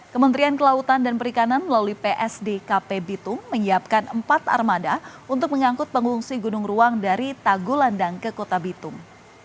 kementerian kelautan dan perikanan melalui psdkp bitung menyiapkan empat armada untuk mengangkut pengungsi gunung ruang dari tagulandang ke kota bitung